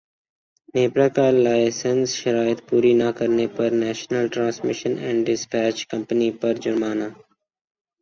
نیپرا کا لائسنس شرائط پوری نہ کرنے پر national transmission and despatch company پر جرمانہ